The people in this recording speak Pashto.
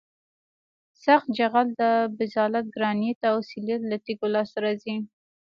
سخت جغل د بزالت ګرانیت او سلیت له تیږو لاسته راځي